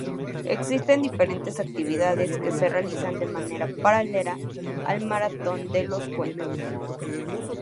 Existen diferentes actividades que se realizan de manera paralela al Maratón de los Cuentos.